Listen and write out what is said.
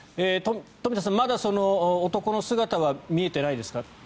冨田さん、まだ男の姿は見えていないですか？